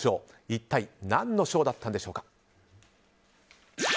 一体何の賞だったんでしょうか。